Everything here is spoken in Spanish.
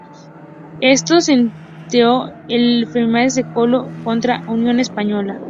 Esto sentenció el paso a las semifinales de Colo-Colo contra Unión Española.